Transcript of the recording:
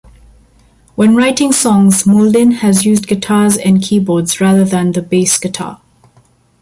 When writing songs Moulding has used guitars and keyboards rather than the bass guitar.